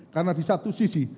karena di satu sisi